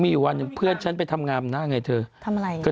มีอยู่บางสันเพื่อนฉันทำงามหน้าไงเถอะ